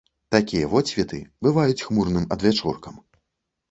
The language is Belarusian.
Такія водсветы бываюць хмурным адвячоркам.